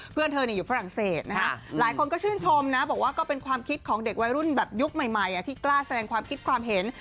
เพื่อนเธออยู่ฝรั่งเศสนะคะหลายคนก็ชื่นชมนะบอกว่าก็เป็นความคิดของเด็กวัยรุ่นแบบยุคใหม่ที่กล้าแสดงความคิดความเห็น